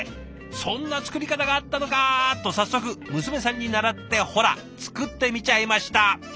「そんな作り方があったのか」と早速娘さんに習ってほら作ってみちゃいました。